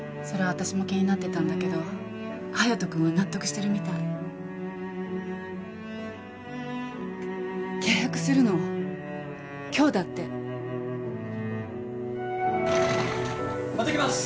私も気になってたんだけど隼人君は納得してるみたい契約するの今日だってまた来ます！